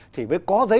thì mới có giấy